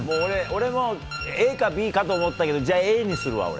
俺もＡかＢかと思ったけど、じゃあ、Ａにするわ、俺。